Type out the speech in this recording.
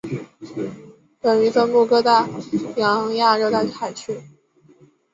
本鱼分布各大洋亚热带海域。